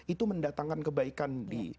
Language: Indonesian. itu mendatangkan kebaikan